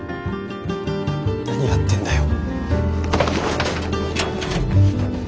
何やってんだよ。